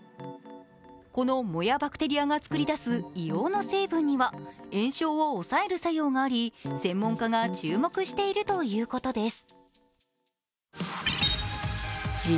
この藻やバクテリアが作り出す硫黄の成分には炎症を抑える作用があり専門家が注目しているということです。